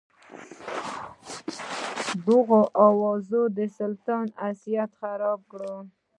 دغو اوازو د سلطنت حیثیت خراب کړ.